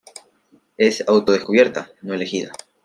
Es auto-descubierta, no elegida.